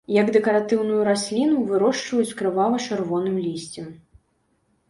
Як дэкаратыўную расліну вырошчваюць з крывава-чырвоным лісцем.